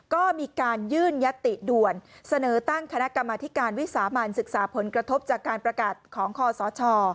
ก็มีการยื่นยติด่วนเสนอตั้งคณะกรรมธิการวิสามันศึกษาผลกระทบจากการประกาศของคอสช